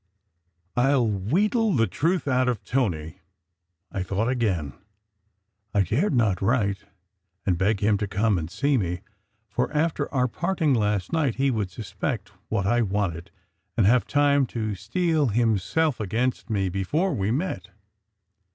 Til wheedle the truth out of Tony," I thought again. I dared not write and beg him to come and see me, for after our parting last night he would suspect what I wanted and have time to steel himself against me before we met.